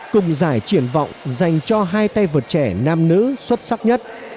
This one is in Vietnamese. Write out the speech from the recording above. cùng giải triển vọng dành cho hai tay vợt trẻ nam nữ xuất sắc nhất